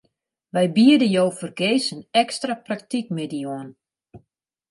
Wy biede jo fergees in ekstra praktykmiddei oan.